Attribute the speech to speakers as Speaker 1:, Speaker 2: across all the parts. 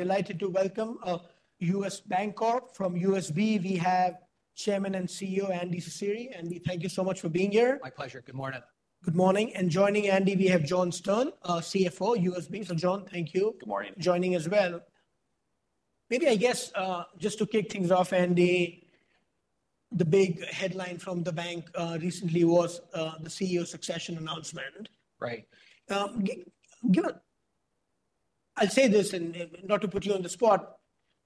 Speaker 1: Delighted to welcome U.S. Bancorp. From USB, we have Chairman and CEO Andy Cecere. Andy, thank you so much for being here.
Speaker 2: My pleasure. Good morning.
Speaker 1: Good morning, and joining Andy, we have John Stern, CFO, U.S. Bancorp, so John, thank you.
Speaker 3: Good morning.
Speaker 1: Joining as well. Maybe, I guess, just to kick things off, Andy, the big headline from the bank recently was the CEO succession announcement.
Speaker 2: Right.
Speaker 1: I'll say this, and not to put you on the spot.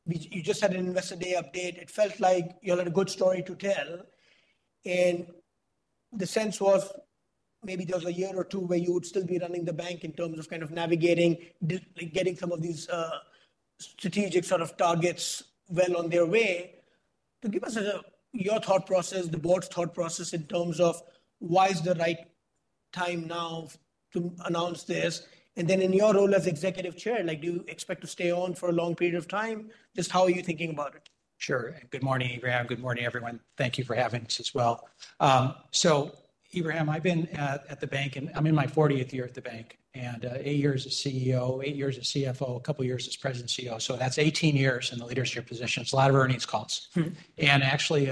Speaker 1: You just had an Investor Day update. It felt like you had a good story to tell. And the sense was maybe there was a year or two where you would still be running the bank in terms of kind of navigating, getting some of these strategic sort of targets well on their way. To give us your thought process, the board's thought process in terms of why is the right time now to announce this? And then in your role as Executive Chair, do you expect to stay on for a long period of time? Just how are you thinking about it?
Speaker 2: Sure. Good morning, Ebrahim. Good morning, everyone. Thank you for having us as well, so Ebrahim, I've been at the bank, and I'm in my 40th year at the bank, and eight years as CEO, eight years as CFO, a couple of years as president CEO, so that's 18 years in the leadership position. It's a lot of earnings calls, and actually,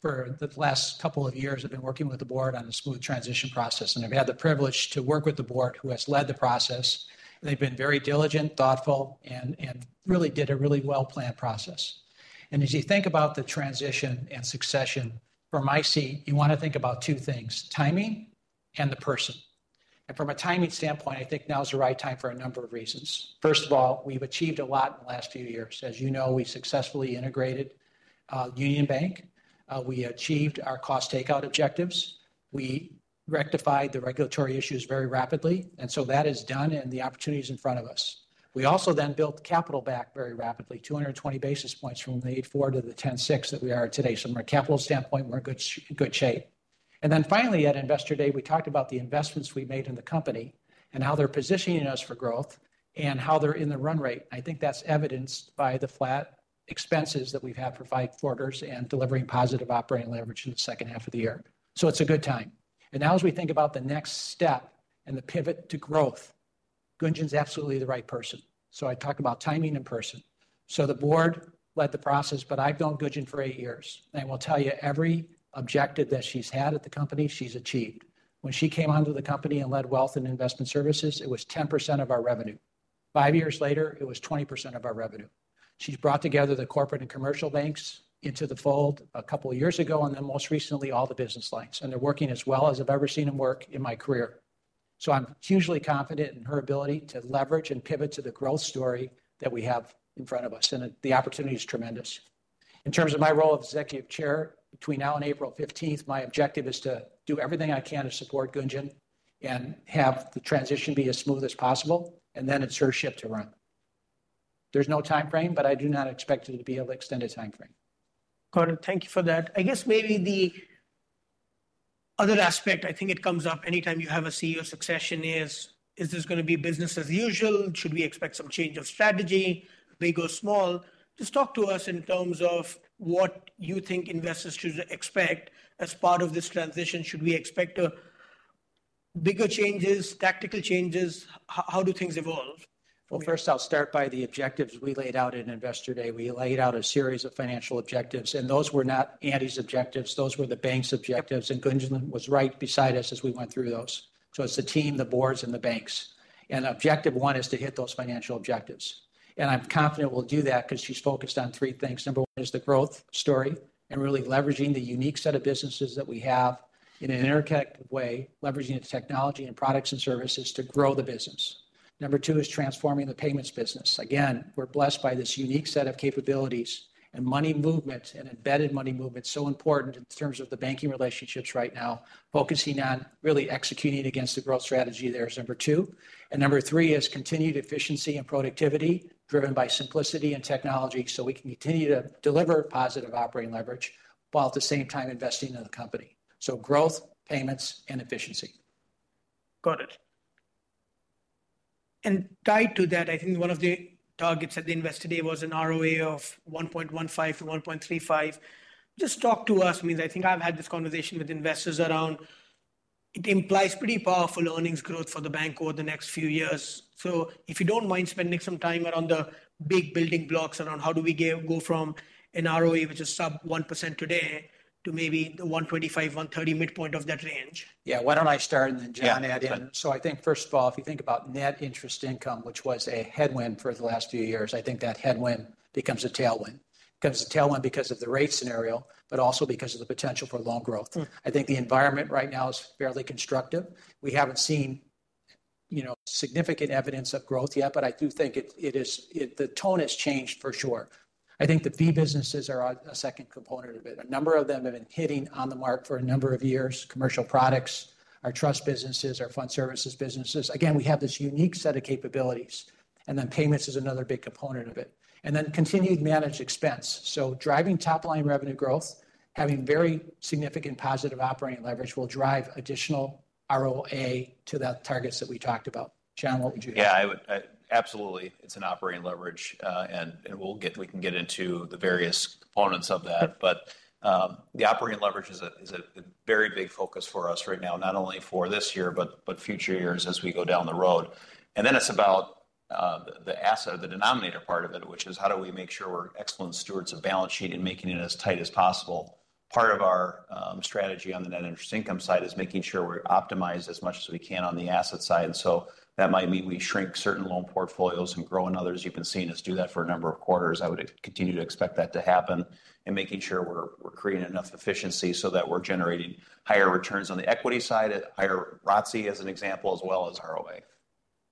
Speaker 2: for the last couple of years, I've been working with the board on a smooth transition process, and I've had the privilege to work with the board who has led the process. They've been very diligent, thoughtful, and really did a really well-planned process, and as you think about the transition and succession, from my seat, you want to think about two things: timing and the person, and from a timing standpoint, I think now is the right time for a number of reasons. First of all, we've achieved a lot in the last few years. As you know, we successfully integrated Union Bank. We achieved our cost takeout objectives. We rectified the regulatory issues very rapidly. And so that is done, and the opportunity is in front of us. We also then built capital back very rapidly, 220 basis points from the 8.4 to the 10.6 that we are today. So from a capital standpoint, we're in good shape. And then finally, at Investor Day, we talked about the investments we made in the company and how they're positioning us for growth and how they're in the run rate. I think that's evidenced by the flat expenses that we've had for five quarters and delivering positive operating leverage in the second half of the year. So it's a good time. And now as we think about the next step and the pivot to growth, Gunjan's absolutely the right person. So I talked about timing and person. So the board led the process, but I've known Gunjan for eight years. And I will tell you, every objective that she's had at the company, she's achieved. When she came onto the company and led wealth and investment services, it was 10% of our revenue. Five years later, it was 20% of our revenue. She's brought together the corporate and commercial banks into the fold a couple of years ago, and then most recently, all the business lines. And they're working as well as I've ever seen them work in my career. So I'm hugely confident in her ability to leverage and pivot to the growth story that we have in front of us. And the opportunity is tremendous. In terms of my role as executive chair, between now and April 15, my objective is to do everything I can to support Gunjan and have the transition be as smooth as possible, and then it's her ship to run. There's no time frame, but I do not expect it to be an extended time frame.
Speaker 1: Got it. Thank you for that. I guess maybe the other aspect I think it comes up anytime you have a CEO succession is, is this going to be business as usual? Should we expect some change of strategy, big or small? Just talk to us in terms of what you think investors should expect as part of this transition. Should we expect bigger changes, tactical changes? How do things evolve?
Speaker 2: First, I'll start by the objectives we laid out in Investor Day. We laid out a series of financial objectives, and those were not Andy's objectives. Those were the bank's objectives, and Gunjan was right beside us as we went through those. So it's the team, the boards, and the banks. And objective one is to hit those financial objectives. And I'm confident we'll do that because she's focused on three things. Number one is the growth story and really leveraging the unique set of businesses that we have in an interconnected way, leveraging its technology and products and services to grow the business. Number two is transforming the payments business. Again, we're blessed by this unique set of capabilities and money movement and embedded money movement so important in terms of the banking relationships right now, focusing on really executing against the growth strategy there, is number two. And number three is continued efficiency and productivity driven by simplicity and technology so we can continue to deliver positive operating leverage while at the same time investing in the company. So growth, payments, and efficiency.
Speaker 1: Got it. And tied to that, I think one of the targets at the Investor Day was an ROA of 1.15%-1.35%. Just talk to us, I mean, I think I've had this conversation with investors around it implies pretty powerful earnings growth for the bank over the next few years. So if you don't mind spending some time around the big building blocks around how do we go from an ROA, which is sub 1% today, to maybe the 1.25, 1.30 midpoint of that range.
Speaker 2: Yeah, why don't I start and then John add in. So I think, first of all, if you think about net interest income, which was a headwind for the last few years, I think that headwind becomes a tailwind. Becomes a tailwind because of the rate scenario, but also because of the potential for loan growth. I think the environment right now is fairly constructive. We haven't seen significant evidence of growth yet, but I do think the tone has changed for sure. I think the fee businesses are a second component of it. A number of them have been hitting on the mark for a number of years. Commercial products, our trust businesses, our fund services businesses. Again, we have this unique set of capabilities. And then payments is another big component of it. And then continued expense management. So driving top-line revenue growth, having very significant positive operating leverage will drive additional ROA to that targets that we talked about. John, what would you do?
Speaker 3: Yeah, absolutely. It's an operating leverage, and we can get into the various components of that. But the operating leverage is a very big focus for us right now, not only for this year, but future years as we go down the road. And then it's about the asset, the denominator part of it, which is how do we make sure we're excellent stewards of balance sheet and making it as tight as possible. Part of our strategy on the net interest income side is making sure we're optimized as much as we can on the asset side. So that might mean we shrink certain loan portfolios and grow in others. You've been seeing us do that for a number of quarters. I would continue to expect that to happen and making sure we're creating enough efficiency so that we're generating higher returns on the equity side, higher ROTCE as an example, as well as ROA.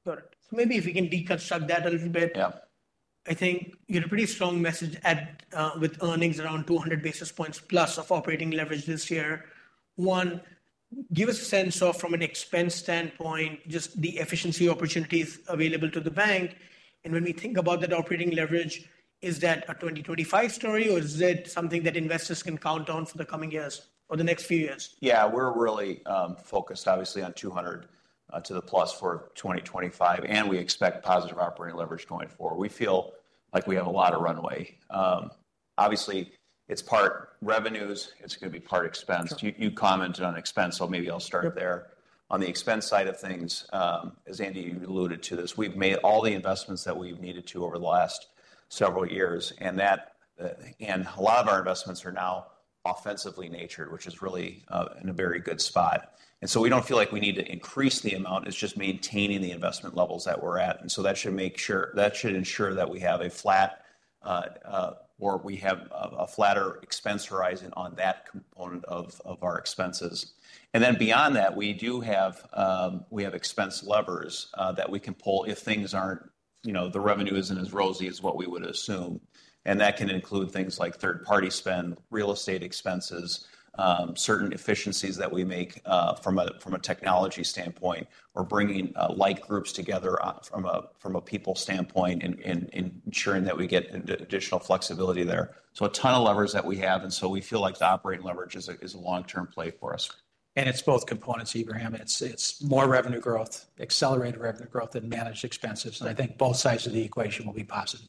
Speaker 1: Got it. So maybe if we can deconstruct that a little bit, I think you had a pretty strong message with earnings around 200 basis points plus of operating leverage this year. One, give us a sense of, from an expense standpoint, just the efficiency opportunities available to the bank. And when we think about that operating leverage, is that a 2025 story or is it something that investors can count on for the coming years or the next few years?
Speaker 3: Yeah, we're really focused, obviously, on 200 to the plus for 2025, and we expect positive operating leverage going forward. We feel like we have a lot of runway. Obviously, it's part revenues. It's going to be part expense. You commented on expense, so maybe I'll start there. On the expense side of things, as Andy alluded to this, we've made all the investments that we've needed to over the last several years, and a lot of our investments are now offensively natured, which is really in a very good spot, and so we don't feel like we need to increase the amount. It's just maintaining the investment levels that we're at, and so that should ensure that we have a flat or we have a flatter expense horizon on that component of our expenses. And then beyond that, we have expense levers that we can pull if things aren't, the revenue isn't as rosy as what we would assume. And that can include things like third-party spend, real estate expenses, certain efficiencies that we make from a technology standpoint, or bringing like groups together from a people standpoint, ensuring that we get additional flexibility there. So a ton of levers that we have, and so we feel like the operating leverage is a long-term play for us.
Speaker 2: It's both components, Ebrahim. It's more revenue growth, accelerated revenue growth, and managed expenses. I think both sides of the equation will be positive.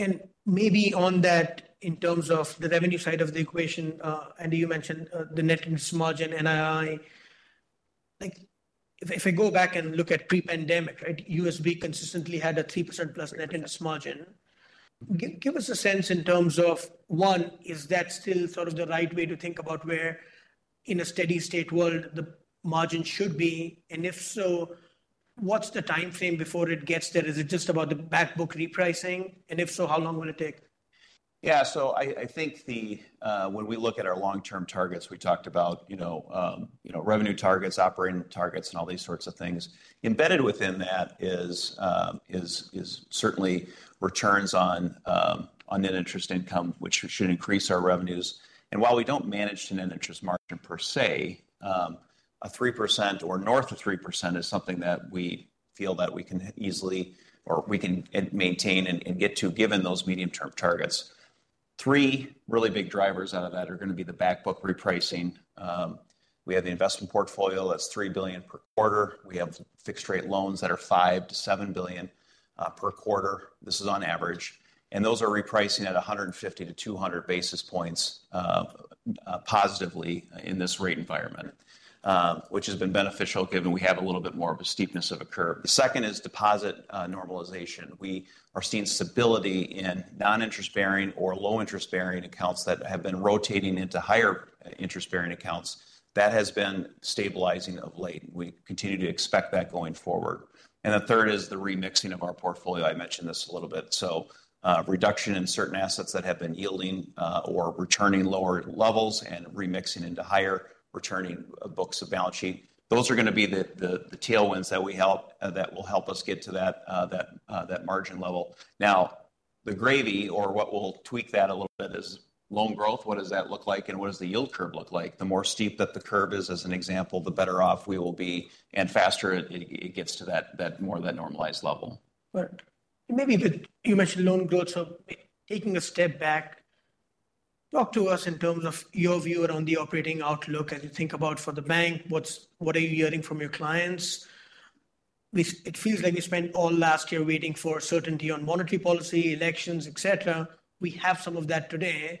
Speaker 1: And maybe on that, in terms of the revenue side of the equation, Andy, you mentioned the net interest margin and NII. If I go back and look at pre-pandemic, U.S. Bank consistently had a 3% plus net interest margin. Give us a sense in terms of, one, is that still sort of the right way to think about where in a steady state world the margin should be? And if so, what's the time frame before it gets there? Is it just about the backbook repricing? And if so, how long will it take?
Speaker 3: Yeah, so I think when we look at our long-term targets, we talked about revenue targets, operating targets, and all these sorts of things. Embedded within that is certainly returns on net interest income, which should increase our revenues. And while we don't manage to net interest margin per se, a 3% or north of 3% is something that we feel that we can easily or we can maintain and get to given those medium-term targets. Three really big drivers out of that are going to be the backbook repricing. We have the investment portfolio that's $3 billion per quarter. We have fixed-rate loans that are $5-$7 billion per quarter. This is on average. And those are repricing at 150-200 basis points positively in this rate environment, which has been beneficial given we have a little bit more of a steepness of a curve. The second is deposit normalization. We are seeing stability in non-interest-bearing or low-interest-bearing accounts that have been rotating into higher interest-bearing accounts. That has been stabilizing of late. We continue to expect that going forward. And the third is the remixing of our portfolio. I mentioned this a little bit. So reduction in certain assets that have been yielding or returning lower levels and remixing into higher returning books of balance sheet. Those are going to be the tailwinds that will help us get to that margin level. Now, the gravy, or what we'll tweak that a little bit, is loan growth. What does that look like and what does the yield curve look like? The more steep that the curve is, as an example, the better off we will be, and faster it gets to that more of that normalized level.
Speaker 1: Maybe you mentioned loan growth. So taking a step back, talk to us in terms of your view around the operating outlook. As you think about for the bank, what are you hearing from your clients? It feels like you spent all last year waiting for certainty on monetary policy, elections, et cetera. We have some of that today.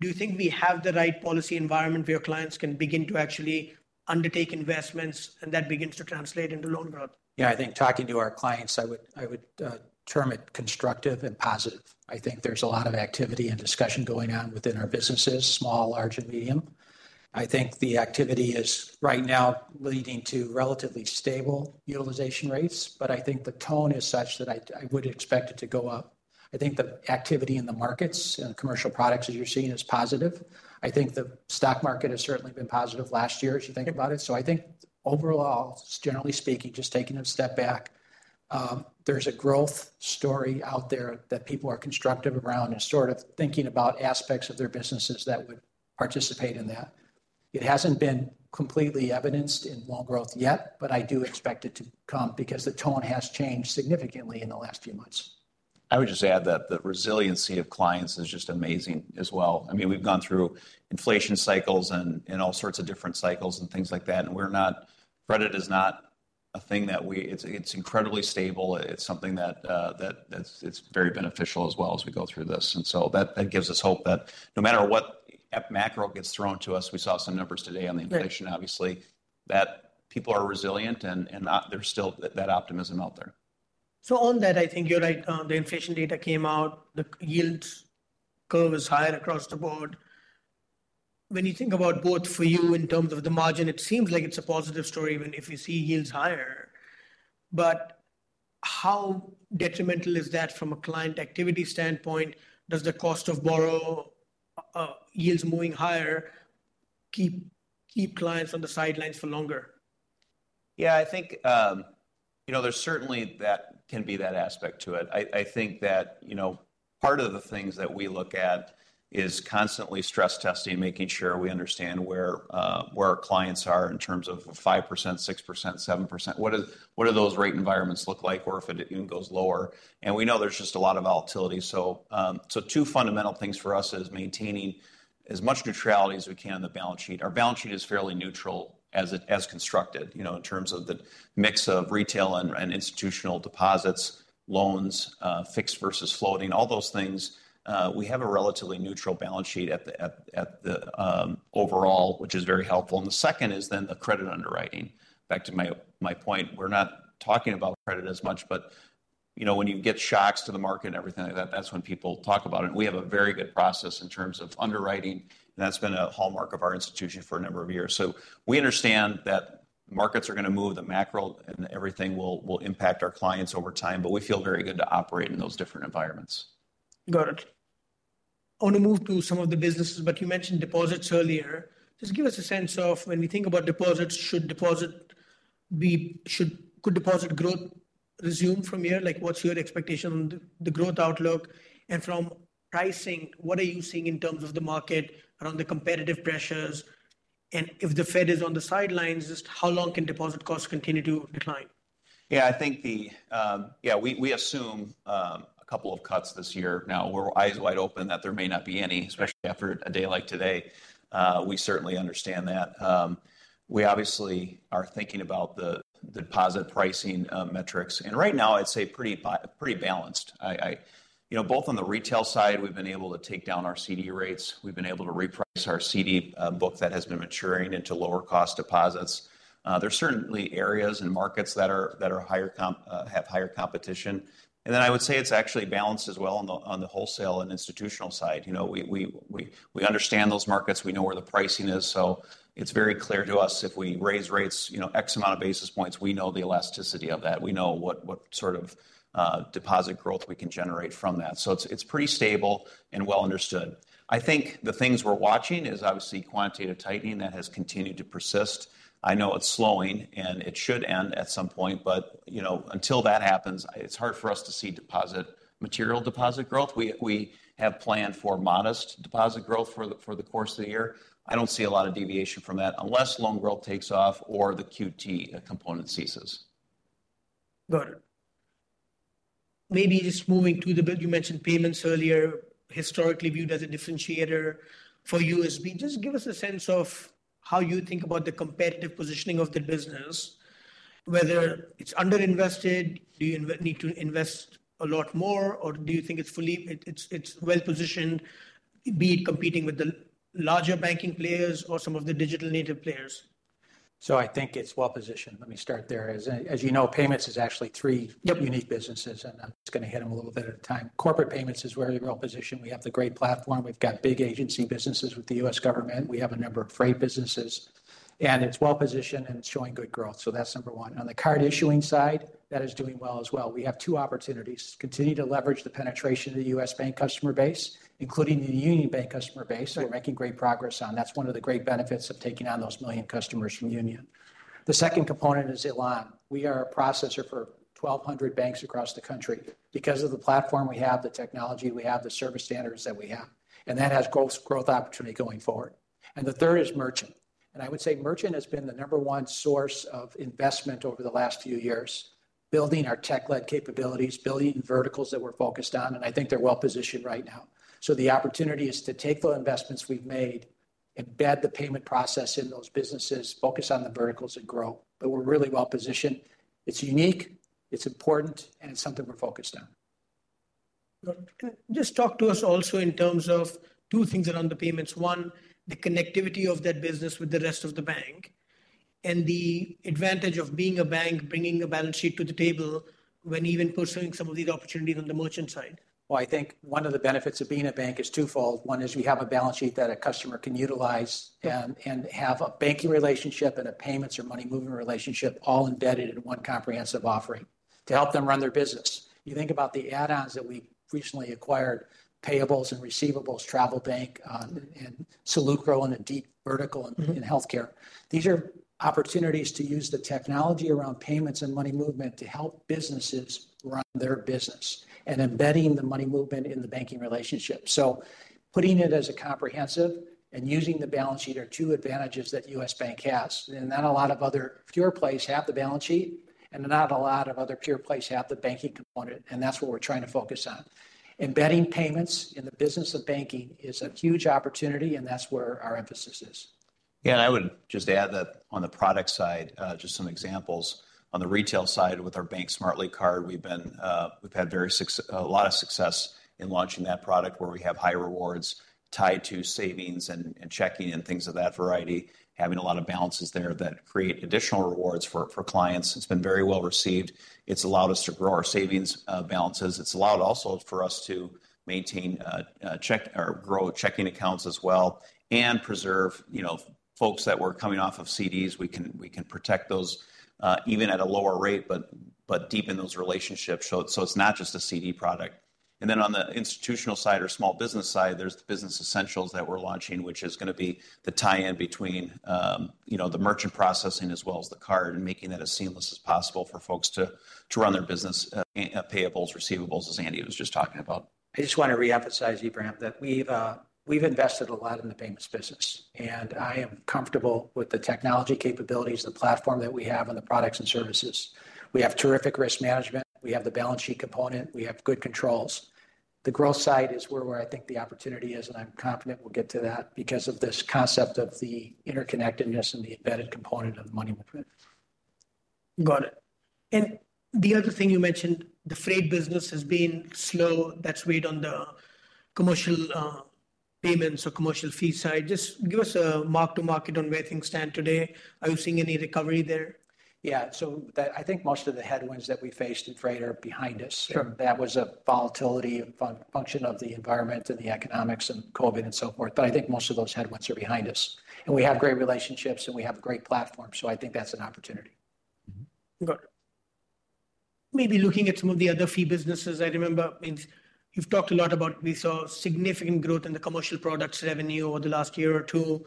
Speaker 1: Do you think we have the right policy environment where clients can begin to actually undertake investments and that begins to translate into loan growth?
Speaker 2: Yeah, I think talking to our clients, I would term it constructive and positive. I think there's a lot of activity and discussion going on within our businesses, small, large, and medium. I think the activity is right now leading to relatively stable utilization rates, but I think the tone is such that I would expect it to go up. I think the activity in the markets and commercial products, as you're seeing, is positive. I think the stock market has certainly been positive last year as you think about it. So I think overall, generally speaking, just taking a step back, there's a growth story out there that people are constructive around and sort of thinking about aspects of their businesses that would participate in that. It hasn't been completely evidenced in loan growth yet, but I do expect it to come because the tone has changed significantly in the last few months.
Speaker 3: I would just add that the resiliency of clients is just amazing as well. I mean, we've gone through inflation cycles and all sorts of different cycles and things like that. And credit is not a thing. It's incredibly stable. It's something that it's very beneficial as well as we go through this. And so that gives us hope that no matter what macro gets thrown to us, we saw some numbers today on the inflation, obviously, that people are resilient and there's still that optimism out there.
Speaker 1: So on that, I think you're right. The inflation data came out. The yield curve is higher across the board. When you think about both for you in terms of the margin, it seems like it's a positive story even if you see yields higher. But how detrimental is that from a client activity standpoint? Does the cost of borrow, yields moving higher, keep clients on the sidelines for longer?
Speaker 3: Yeah, I think there's certainly that can be that aspect to it. I think that part of the things that we look at is constantly stress testing, making sure we understand where our clients are in terms of 5%, 6%, 7%. What do those rate environments look like or if it even goes lower? And we know there's just a lot of volatility. So two fundamental things for us is maintaining as much neutrality as we can on the balance sheet. Our balance sheet is fairly neutral as constructed in terms of the mix of retail and institutional deposits, loans, fixed versus floating, all those things. We have a relatively neutral balance sheet overall, which is very helpful. And the second is then the credit underwriting. Back to my point, we're not talking about credit as much, but when you get shocks to the market and everything like that, that's when people talk about it. We have a very good process in terms of underwriting, and that's been a hallmark of our institution for a number of years. So we understand that markets are going to move, the macro and everything will impact our clients over time, but we feel very good to operate in those different environments.
Speaker 1: Got it. I want to move to some of the businesses, but you mentioned deposits earlier. Just give us a sense of when we think about deposits, should deposit growth resume from here? What's your expectation on the growth outlook? And from pricing, what are you seeing in terms of the market around the competitive pressures? And if the Fed is on the sidelines, just how long can deposit costs continue to decline?
Speaker 3: Yeah, I think we assume a couple of cuts this year. Now, we're eyes wide open that there may not be any, especially after a day like today. We certainly understand that. We obviously are thinking about the deposit pricing metrics, and right now, I'd say pretty balanced. Both on the retail side, we've been able to take down our CD rates. We've been able to reprice our CD book that has been maturing into lower-cost deposits. There's certainly areas and markets that have higher competition, and then I would say it's actually balanced as well on the wholesale and institutional side. We understand those markets. We know where the pricing is. It's very clear to us if we raise rates X amount of basis points; we know the elasticity of that. We know what sort of deposit growth we can generate from that. So it's pretty stable and well understood. I think the things we're watching is obviously quantitative tightening that has continued to persist. I know it's slowing, and it should end at some point. But until that happens, it's hard for us to see material deposit growth. We have planned for modest deposit growth for the course of the year. I don't see a lot of deviation from that unless loan growth takes off or the QT component ceases.
Speaker 1: Got it. Maybe just moving to the bit, you mentioned payments earlier, historically viewed as a differentiator for U.S. Bank. Just give us a sense of how you think about the competitive positioning of the business, whether it's underinvested, do you need to invest a lot more, or do you think it's well positioned, be it competing with the larger banking players or some of the digital native players?
Speaker 2: I think it's well positioned. Let me start there. As you know, payments is actually three unique businesses, and I'm just going to hit them a little bit at a time. Corporate payments is where we're well positioned. We have the great platform. We've got big agency businesses with the U.S. government. We have a number of freight businesses. And it's well positioned, and it's showing good growth. That's number one. On the card issuing side, that is doing well as well. We have two opportunities. Continue to leverage the penetration of the U.S. Bank customer base, including the Union Bank customer base. We're making great progress on. That's one of the great benefits of taking on those million customers from Union. The second component is Elan. We are a processor for 1,200 banks across the country. Because of the platform we have, the technology we have, the service standards that we have, and that has growth opportunity going forward, and the third is Merchant, and I would say Merchant has been the number one source of investment over the last few years, building our tech-led capabilities, building verticals that we're focused on, and I think they're well positioned right now, so the opportunity is to take the investments we've made, embed the payment process in those businesses, focus on the verticals, and grow, but we're really well positioned. It's unique. It's important, and it's something we're focused on.
Speaker 1: Just talk to us also in terms of two things around the payments. One, the connectivity of that business with the rest of the bank and the advantage of being a bank, bringing a balance sheet to the table when even pursuing some of these opportunities on the merchant side.
Speaker 2: I think one of the benefits of being a bank is twofold. One is we have a balance sheet that a customer can utilize and have a banking relationship and a payments or money-moving relationship all embedded in one comprehensive offering to help them run their business. You think about the add-ons that we recently acquired, payables and receivables, TravelBank, and Salucro, and a deep vertical in healthcare. These are opportunities to use the technology around payments and money movement to help businesses run their business and embedding the money movement in the banking relationship. Putting it as a comprehensive and using the balance sheet are two advantages that U.S. Bank has. Then a lot of other pure plays have the balance sheet, and not a lot of other pure plays have the banking component. That's what we're trying to focus on. Embedding payments in the business of banking is a huge opportunity, and that's where our emphasis is.
Speaker 3: Yeah, and I would just add that on the product side, just some examples. On the retail side with our Bank Smartly card, we've had a lot of success in launching that product where we have high rewards tied to savings and checking and things of that variety, having a lot of balances there that create additional rewards for clients. It's been very well received. It's allowed us to grow our savings balances. It's allowed also for us to maintain or grow checking accounts as well and preserve folks that were coming off of CDs. We can protect those even at a lower rate, but deepen those relationships. So it's not just a CD product. And then on the institutional side or small business side, there's the Business Essentials that we're launching, which is going to be the tie-in between the merchant processing as well as the card and making that as seamless as possible for folks to run their business, payables, receivables, as Andy was just talking about.
Speaker 2: I just want to reemphasize, Ebrahim, that we've invested a lot in the payments business, and I am comfortable with the technology capabilities, the platform that we have, and the products and services. We have terrific risk management. We have the balance sheet component. We have good controls. The growth side is where I think the opportunity is, and I'm confident we'll get to that because of this concept of the interconnectedness and the embedded component of money movement.
Speaker 1: Got it. And the other thing you mentioned, the freight business has been slow. That's weighed on the commercial payments or commercial fee side. Just give us a mark-to-market on where things stand today. Are you seeing any recovery there?
Speaker 2: Yeah, so I think most of the headwinds that we faced in freight are behind us. That was a volatility function of the environment and the economics and COVID and so forth, but I think most of those headwinds are behind us, and we have great relationships, and we have a great platform, so I think that's an opportunity.
Speaker 1: Got it. Maybe looking at some of the other fee businesses, I remember you've talked a lot about we saw significant growth in the commercial products revenue over the last year or two.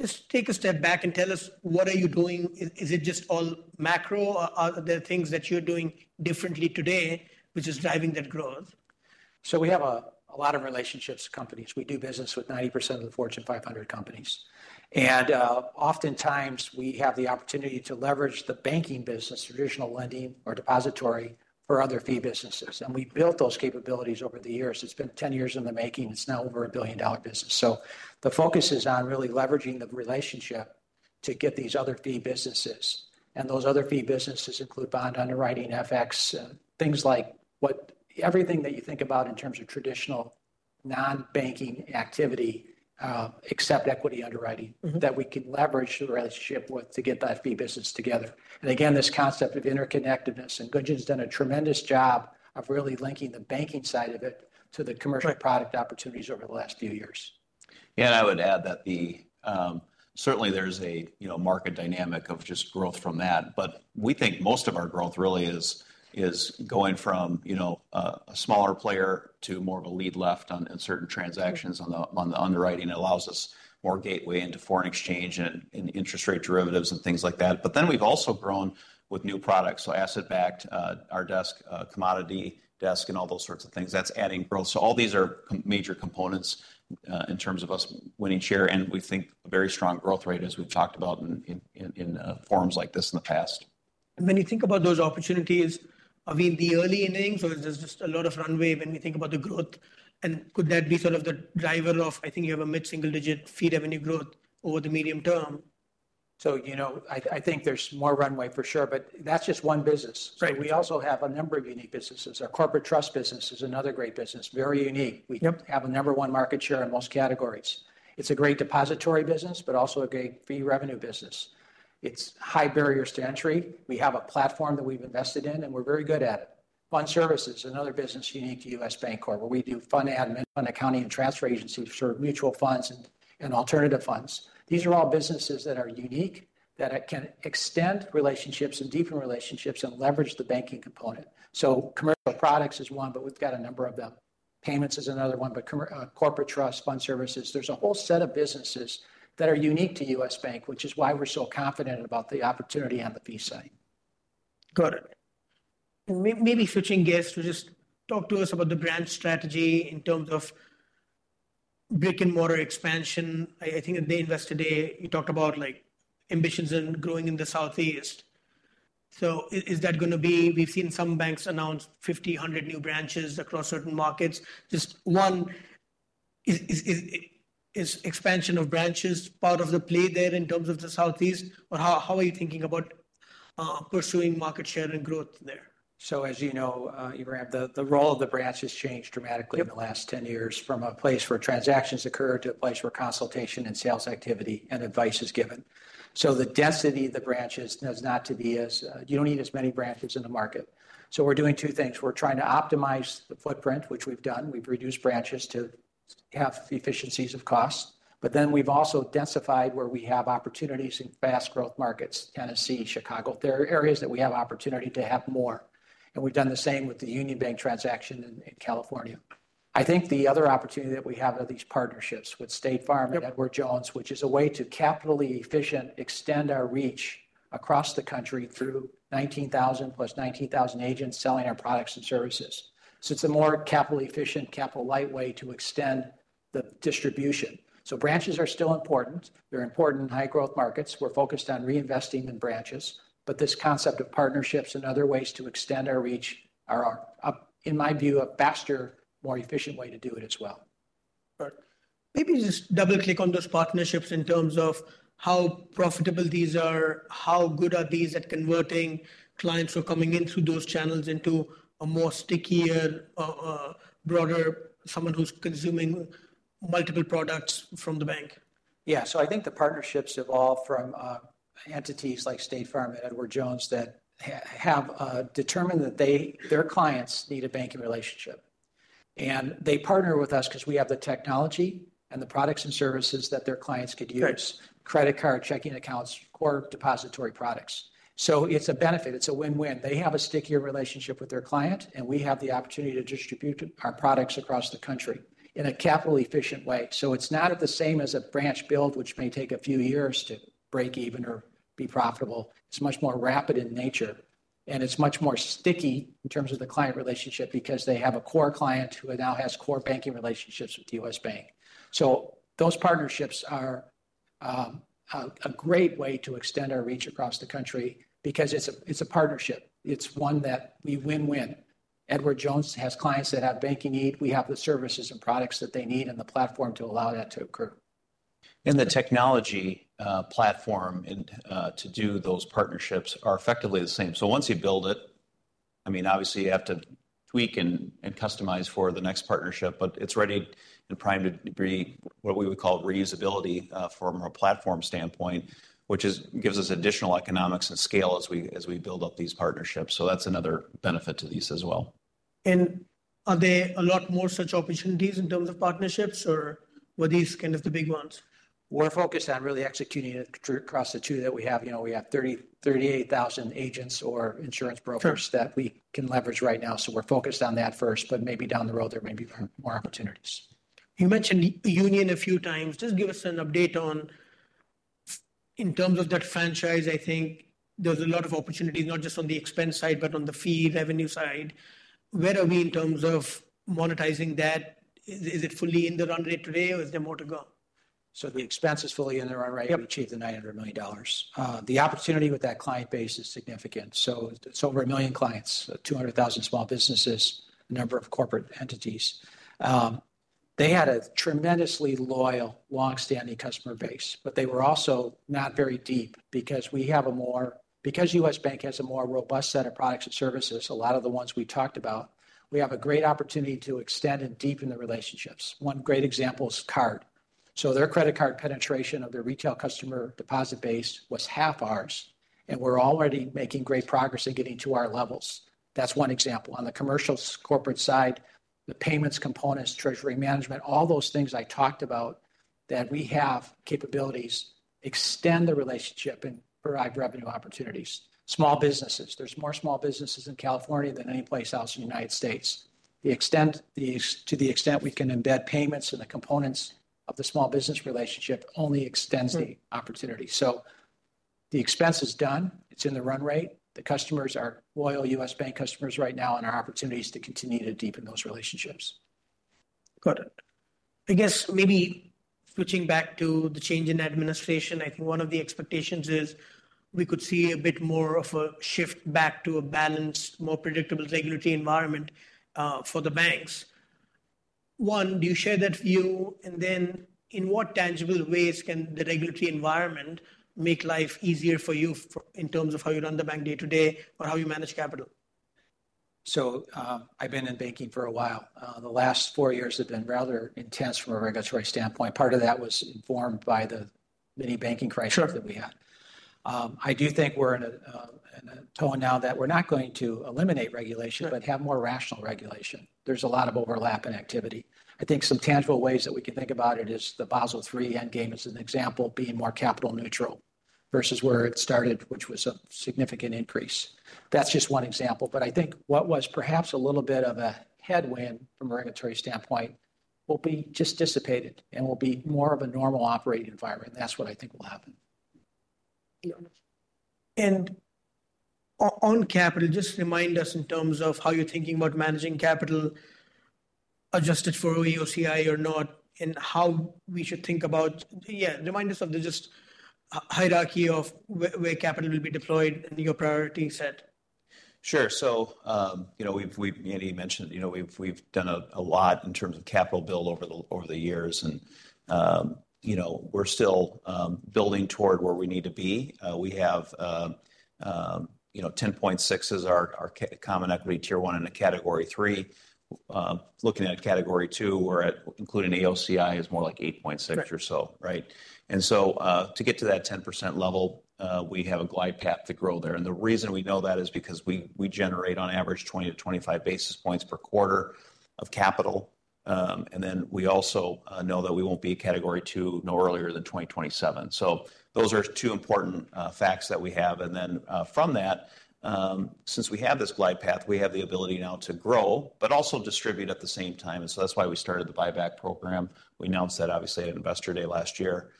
Speaker 1: Just take a step back and tell us, what are you doing? Is it just all macro? Are there things that you're doing differently today which is driving that growth?
Speaker 2: We have a lot of relationships with companies. We do business with 90% of the Fortune 500 companies. And oftentimes, we have the opportunity to leverage the banking business, traditional lending or depository for other fee businesses. And we built those capabilities over the years. It's been 10 years in the making. It's now over a billion-dollar business. So the focus is on really leveraging the relationship to get these other fee businesses. And those other fee businesses include bond underwriting, FX, things like everything that you think about in terms of traditional non-banking activity except equity underwriting that we can leverage the relationship with to get that fee business together. And again, this concept of interconnectedness. And Gunjan has done a tremendous job of really linking the banking side of it to the commercial product opportunities over the last few years.
Speaker 3: Yeah, and I would add that certainly there's a market dynamic of just growth from that. But we think most of our growth really is going from a smaller player to more of a lead left on certain transactions on the underwriting. It allows us more gateway into foreign exchange and interest rate derivatives and things like that. But then we've also grown with new products. So asset-backed, our desk, commodity desk, and all those sorts of things. That's adding growth. So all these are major components in terms of us winning share. And we think a very strong growth rate as we've talked about in forums like this in the past.
Speaker 1: When you think about those opportunities, are we in the early innings or is there just a lot of runway when we think about the growth? Could that be sort of the driver of, I think you have a mid-single-digit fee revenue growth over the medium term?
Speaker 2: So I think there's more runway for sure, but that's just one business. We also have a number of unique businesses. Our corporate trust business is another great business, very unique. We have a number one market share in most categories. It's a great depository business, but also a great fee revenue business. It's high barriers to entry. We have a platform that we've invested in, and we're very good at it. Fund services is another business unique to U.S. Bancorp, where we do fund admin, fund accounting, and transfer agency for mutual funds and alternative funds. These are all businesses that are unique that can extend relationships and deepen relationships and leverage the banking component. So commercial products is one, but we've got a number of them. Payments is another one, but corporate trust, fund services, there's a whole set of businesses that are unique to U.S. Bank, which is why we're so confident about the opportunity on the fee side.
Speaker 1: Got it. Maybe switching gears, just talk to us about the brand strategy in terms of brick-and-mortar expansion. I think at Investor Day today, you talked about ambitions in growing in the Southeast. So is that going to be we've seen some banks announce 50, 100 new branches across certain markets. Just one, is expansion of branches part of the play there in terms of the Southeast? Or how are you thinking about pursuing market share and growth there?
Speaker 2: As you know, Ebrahim, the role of the branch has changed dramatically in the last 10 years from a place where transactions occur to a place where consultation and sales activity and advice is given. The density of the branches does not need to be as you don't need as many branches in the market. We're doing two things. We're trying to optimize the footprint, which we've done. We've reduced branches by half the cost efficiencies. Then we've also densified where we have opportunities in fast-growth markets, Tennessee, Chicago. There are areas that we have opportunity to have more. We've done the same with the Union Bank transaction in California. I think the other opportunity that we have are these partnerships with State Farm and Edward Jones, which is a way to capitally efficient extend our reach across the country through 19,000 plus 19,000 agents selling our products and services. So it's a more capitally efficient, capitally light way to extend the distribution. So branches are still important. They're important in high-growth markets. We're focused on reinvesting in branches. But this concept of partnerships and other ways to extend our reach are, in my view, a faster, more efficient way to do it as well.
Speaker 1: Maybe just double-click on those partnerships in terms of how profitable these are, how good are these at converting clients who are coming in through those channels into a more stickier, broader someone who's consuming multiple products from the bank.
Speaker 2: Yeah. So I think the partnerships evolve from entities like State Farm and Edward Jones that have determined that their clients need a banking relationship. And they partner with us because we have the technology and the products and services that their clients could use: credit card, checking accounts, core depository products. So it's a benefit. It's a win-win. They have a stickier relationship with their client, and we have the opportunity to distribute our products across the country in a capitally efficient way. So it's not the same as a branch build, which may take a few years to break even or be profitable. It's much more rapid in nature. And it's much more sticky in terms of the client relationship because they have a core client who now has core banking relationships with U.S. Bank. So those partnerships are a great way to extend our reach across the country because it's a partnership. It's a win-win. Edward Jones has clients that have banking need. We have the services and products that they need and the platform to allow that to occur.
Speaker 3: The technology platform to do those partnerships are effectively the same. Once you build it, I mean, obviously, you have to tweak and customize for the next partnership. It's ready and primed to be what we would call reusability from a platform standpoint, which gives us additional economics and scale as we build up these partnerships. That's another benefit to these as well.
Speaker 1: And are there a lot more such opportunities in terms of partnerships, or were these kind of the big ones?
Speaker 2: We're focused on really executing it across the two that we have. We have 38,000 agents or insurance brokers that we can leverage right now. So we're focused on that first, but maybe down the road, there may be more opportunities.
Speaker 1: You mentioned Union a few times. Just give us an update on, in terms of that franchise. I think there's a lot of opportunities, not just on the expense side, but on the fee revenue side. Where are we in terms of monetizing that? Is it fully in the run rate today, or is there more to go?
Speaker 2: The expense is fully in the run rate and achieved the $900 million. The opportunity with that client base is significant. It's over a million clients, 200,000 small businesses, a number of corporate entities. They had a tremendously loyal, long-standing customer base, but they were also not very deep because U.S. Bank has a more robust set of products and services, a lot of the ones we talked about, we have a great opportunity to extend and deepen the relationships. One great example is card. Their credit card penetration of their retail customer deposit base was half ours, and we're already making great progress in getting to our levels. That's one example. On the commercial corporate side, the payments components, treasury management, all those things I talked about that we have capabilities extend the relationship and provide revenue opportunities. Small businesses. There's more small businesses in California than anyplace else in the United States. To the extent we can embed payments and the components of the small business relationship only extends the opportunity. So the expense is done. It's in the run rate. The customers are loyal U.S. Bank customers right now, and our opportunities to continue to deepen those relationships.
Speaker 1: Got it. I guess maybe switching back to the change in administration, I think one of the expectations is we could see a bit more of a shift back to a balanced, more predictable regulatory environment for the banks. One, do you share that view? And then in what tangible ways can the regulatory environment make life easier for you in terms of how you run the bank day to day or how you manage capital?
Speaker 2: I've been in banking for a while. The last four years have been rather intense from a regulatory standpoint. Part of that was informed by the many banking crises that we had. I do think we're in a time now that we're not going to eliminate regulation, but have more rational regulation. There's a lot of overlap in activity. I think some tangible ways that we can think about it is the Basel III Endgame as an example, being more capital neutral versus where it started, which was a significant increase. That's just one example. But I think what was perhaps a little bit of a headwind from a regulatory standpoint will be just dissipated and will be more of a normal operating environment. That's what I think will happen.
Speaker 1: On capital, just remind us in terms of how you're thinking about managing capital, adjusted for AOCI or not, and how we should think about, yeah, remind us of the just hierarchy of where capital will be deployed and your priority set.
Speaker 3: Sure. So we've already mentioned we've done a lot in terms of capital build over the years. And we're still building toward where we need to be. We have 10.6 as our Common Equity Tier 1 and a Category III. Looking at Category II, we're at including AOCI is more like 8.6 or so, right? And so to get to that 10% level, we have a glide path to grow there. And the reason we know that is because we generate on average 20 to 25 basis points per quarter of capital. And then we also know that we won't be a Category II not earlier than 2027. So those are two important facts that we have. And then from that, since we have this glide path, we have the ability now to grow, but also distribute at the same time. And so that's why we started the buyback program. We announced that, obviously, at Investor Day last year.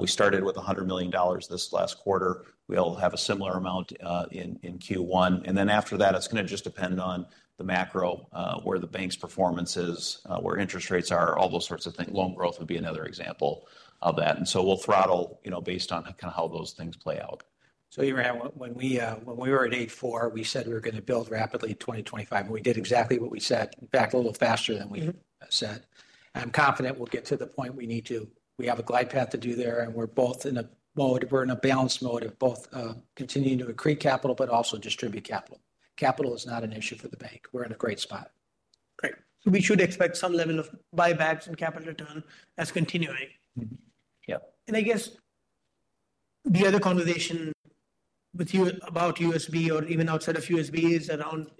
Speaker 3: We started with $100 million this last quarter. We'll have a similar amount in Q1. And then after that, it's going to just depend on the macro, where the bank's performance is, where interest rates are, all those sorts of things. Loan growth would be another example of that. And so we'll throttle based on kind of how those things play out.
Speaker 2: Ebrahim, when we were at 8.4, we said we were going to build rapidly in 2025. And we did exactly what we said, in fact, a little faster than we said. I'm confident we'll get to the point we need to. We have a glide path to do there. And we're both in a mode of we're in a balanced mode of both continuing to accrete capital, but also distribute capital. Capital is not an issue for the bank. We're in a great spot.
Speaker 1: Great. So we should expect some level of buybacks and capital return as continuing.
Speaker 2: Yep.
Speaker 1: I guess the other conversation with you about USB or even outside of USB is around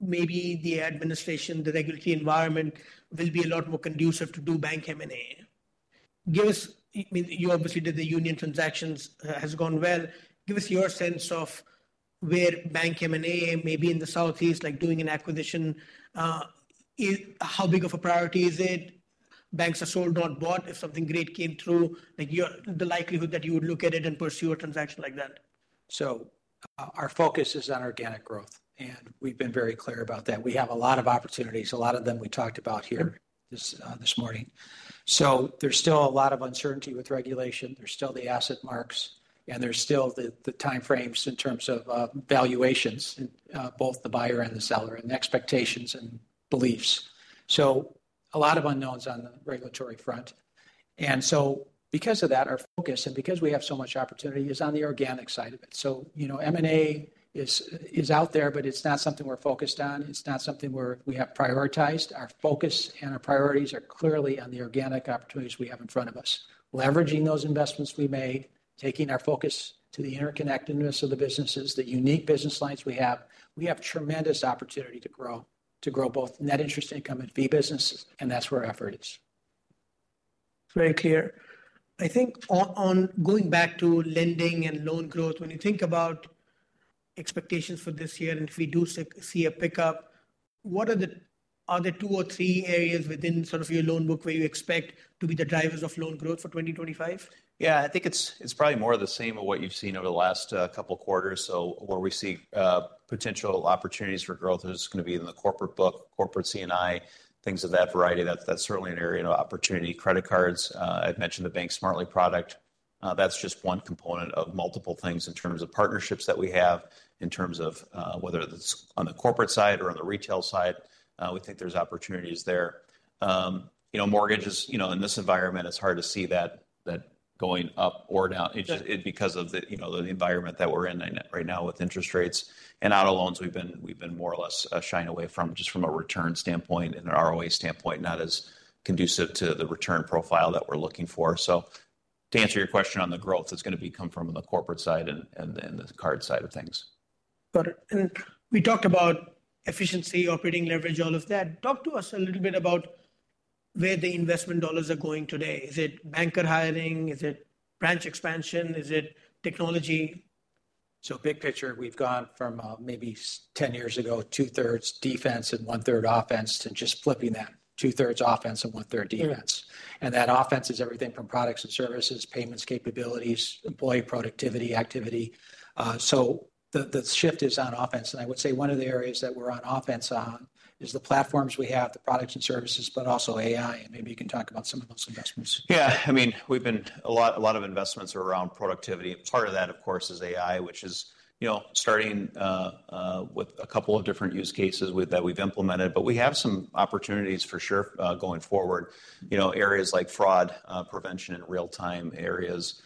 Speaker 1: maybe the administration, the regulatory environment will be a lot more conducive to do bank M&A. I mean, you obviously did the Union transactions has gone well. Give us your sense of where bank M&A may be in the Southeast, like doing an acquisition. How big of a priority is it? Banks are sold, not bought. If something great came through, the likelihood that you would look at it and pursue a transaction like that.
Speaker 2: So our focus is on organic growth. And we've been very clear about that. We have a lot of opportunities. A lot of them we talked about here this morning. So there's still a lot of uncertainty with regulation. There's still the asset marks. And there's still the time frames in terms of valuations, both the buyer and the seller and expectations and beliefs. So a lot of unknowns on the regulatory front. And so because of that, our focus, and because we have so much opportunity, is on the organic side of it. So M&A is out there, but it's not something we're focused on. It's not something we have prioritized. Our focus and our priorities are clearly on the organic opportunities we have in front of us. Leveraging those investments we made, taking our focus to the interconnectedness of the businesses, the unique business lines we have, we have tremendous opportunity to grow, to grow both net interest income and fee businesses. And that's where our effort is.
Speaker 1: Very clear. I think on going back to lending and loan growth, when you think about expectations for this year and if we do see a pickup, what are the other two or three areas within sort of your loan book where you expect to be the drivers of loan growth for 2025?
Speaker 3: Yeah, I think it's probably more of the same of what you've seen over the last couple of quarters. So where we see potential opportunities for growth is going to be in the corporate book, corporate C&I, things of that variety. That's certainly an area of opportunity. Credit cards, I've mentioned the Bank Smartly product. That's just one component of multiple things in terms of partnerships that we have in terms of whether it's on the corporate side or on the retail side. We think there's opportunities there. Mortgages, in this environment, it's hard to see that going up or down because of the environment that we're in right now with interest rates, and auto loans, we've been more or less shying away from just from a return standpoint and an ROA standpoint, not as conducive to the return profile that we're looking for. So to answer your question on the growth, it's going to come from the corporate side and the card side of things.
Speaker 1: Got it. And we talked about efficiency, operating leverage, all of that. Talk to us a little bit about where the investment dollars are going today. Is it banker hiring? Is it branch expansion? Is it technology?
Speaker 2: So, big picture, we've gone from maybe 10 years ago, two-thirds defense and one-third offense to just flipping that, two-thirds offense and one-third defense. And that offense is everything from products and services, payments capabilities, employee productivity, activity. So the shift is on offense. And I would say one of the areas that we're on offense on is the platforms we have, the products and services, but also AI. And maybe you can talk about some of those investments.
Speaker 3: Yeah. I mean, we've been a lot of investments are around productivity. Part of that, of course, is AI, which is starting with a couple of different use cases that we've implemented. But we have some opportunities for sure going forward. Areas like fraud prevention and real-time areas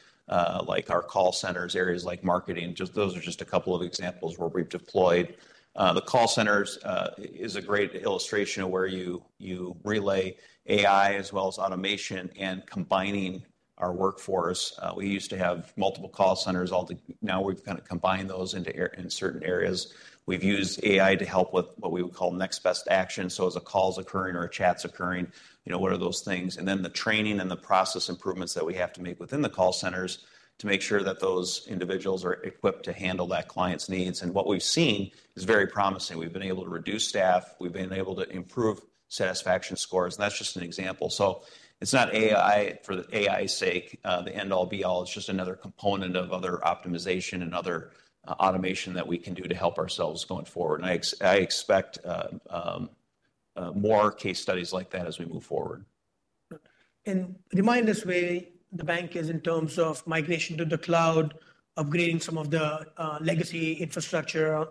Speaker 3: like our call centers, areas like marketing. Those are just a couple of examples where we've deployed. The call centers is a great illustration of where we rely on AI as well as automation and combining our workforce. We used to have multiple call centers. Now we've kind of combined those into certain areas. We've used AI to help with what we would call next best action. So as a call's occurring or a chat's occurring, what are those things? And then the training and the process improvements that we have to make within the call centers to make sure that those individuals are equipped to handle that client's needs. And what we've seen is very promising. We've been able to reduce staff. We've been able to improve satisfaction scores. And that's just an example. So it's not AI for the AI's sake, the end-all, be-all. It's just another component of other optimization and other automation that we can do to help ourselves going forward. And I expect more case studies like that as we move forward.
Speaker 1: Remind us where the bank is in terms of migration to the cloud, upgrading some of the legacy infrastructure.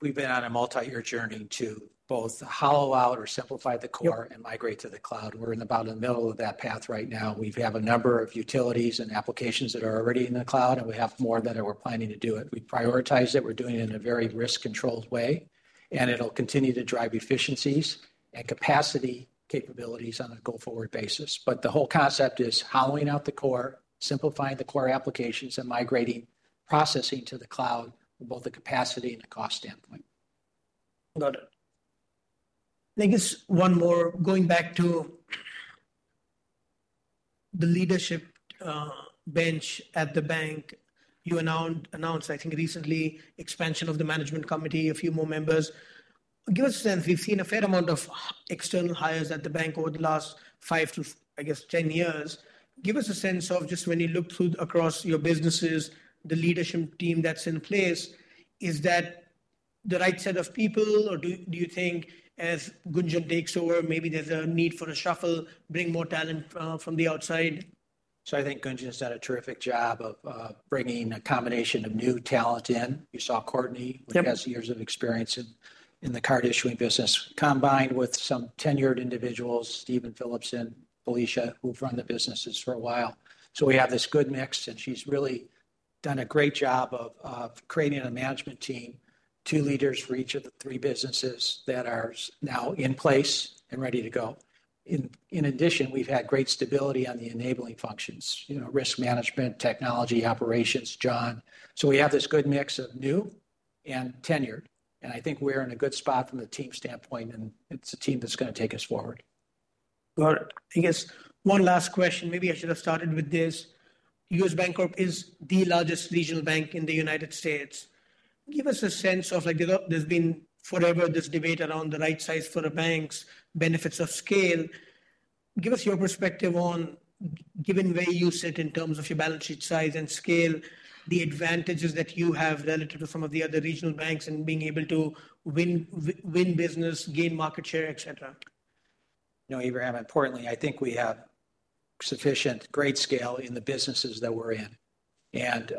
Speaker 2: We've been on a multi-year journey to both hollow out or simplify the core and migrate to the cloud. We're in about the middle of that path right now. We have a number of utilities and applications that are already in the cloud, and we have more than we're planning to do it. We prioritize it. We're doing it in a very risk-controlled way, and it'll continue to drive efficiencies and capacity capabilities on a go-forward basis, but the whole concept is hollowing out the core, simplifying the core applications, and migrating processing to the cloud from both the capacity and the cost standpoint.
Speaker 1: Got it. I guess one more, going back to the leadership bench at the bank. You announced, I think recently, expansion of the management committee, a few more members. Give us a sense. We've seen a fair amount of external hires at the bank over the last five to, I guess, 10 years. Give us a sense of just when you look across your businesses, the leadership team that's in place, is that the right set of people, or do you think as Gunjan takes over, maybe there's a need for a shuffle, bring more talent from the outside?
Speaker 2: So I think Gunjan has done a terrific job of bringing a combination of new talent in. You saw Courtney, who has years of experience in the card-issuing business, combined with some tenured individuals, Stephen Philipson and Felicia, who've run the businesses for a while. So we have this good mix, and she's really done a great job of creating a management team, two leaders for each of the three businesses that are now in place and ready to go. In addition, we've had great stability on the enabling functions, risk management, technology, operations, John. So we have this good mix of new and tenured. And I think we're in a good spot from the team standpoint, and it's a team that's going to take us forward.
Speaker 1: Got it. I guess one last question. Maybe I should have started with this. U.S. Bancorp is the largest regional bank in the United States. Give us a sense of there's been forever this debate around the right size for the banks, benefits of scale. Give us your perspective on given where you sit in terms of your balance sheet size and scale, the advantages that you have relative to some of the other regional banks and being able to win business, gain market share, etc.
Speaker 2: No, Ebrahim, importantly, I think we have sufficient great scale in the businesses that we're in, and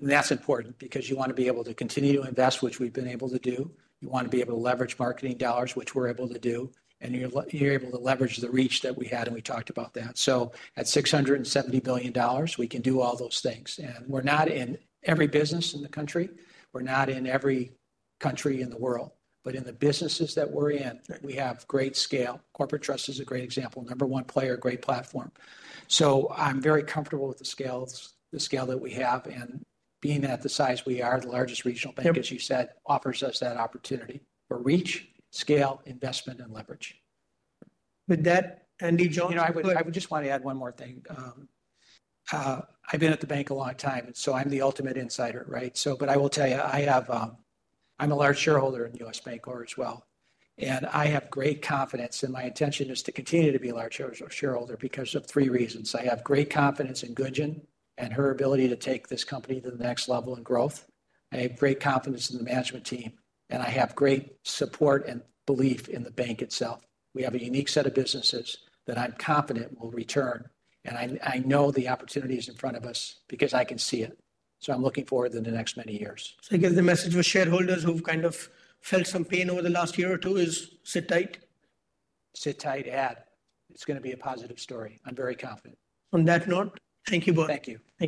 Speaker 2: that's important because you want to be able to continue to invest, which we've been able to do. You want to be able to leverage marketing dollars, which we're able to do, and you're able to leverage the reach that we had, and we talked about that. So at $670 billion, we can do all those things, and we're not in every business in the country. We're not in every country in the world, but in the businesses that we're in, we have great scale. Corporate Trust is a great example, number one player, great platform. So I'm very comfortable with the scale that we have, and being at the size we are, the largest regional bank, as you said, offers us that opportunity for reach, scale, investment, and leverage.
Speaker 1: With that, Andy Cecere.
Speaker 2: I would just want to add one more thing. I've been at the bank a long time, and so I'm the ultimate insider, right? But I will tell you, I'm a large shareholder in U.S. Bancorp as well. And I have great confidence, and my intention is to continue to be a large shareholder because of three reasons. I have great confidence in Gunjan and her ability to take this company to the next level in growth. I have great confidence in the management team, and I have great support and belief in the bank itself. We have a unique set of businesses that I'm confident will return. And I know the opportunities in front of us because I can see it. So I'm looking forward to the next many years.
Speaker 1: I guess the message for shareholders who've kind of felt some pain over the last year or two is sit tight.
Speaker 2: Sit tight, Andy. It's going to be a positive story. I'm very confident.
Speaker 1: On that note, thank you both.
Speaker 2: Thank you.